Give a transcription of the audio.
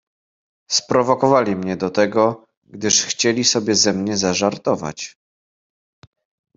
"Sprowokowali mnie do tego, gdyż chcieli sobie ze mnie zażartować!"